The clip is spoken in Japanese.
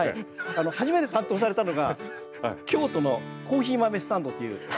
初めて担当されたのが京都の「コーヒー豆スタンド」という。